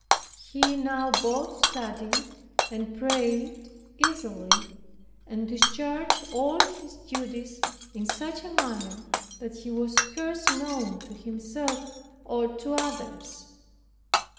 He now both studied and prayed easily, and discharged all his duties, in such a manner, that he was scarce known to himself or to others.